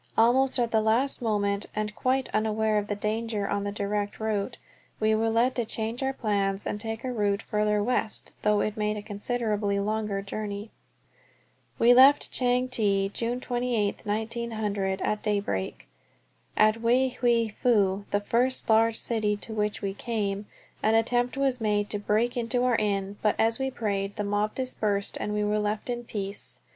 Almost at the last moment, and quite unaware of the danger on the direct route, we were led to change our plans and take a route farther west, though it made a considerably longer journey. We left Chang Te, June 28, 1900, at daybreak. At Wei Hwei Fu, the first large city to which we came, an attempt was made to break into our inn, but as we prayed the mob dispersed and we were left in peace.